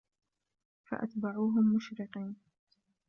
فأتبعوهم مشرقين